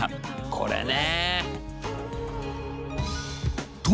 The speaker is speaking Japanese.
これね。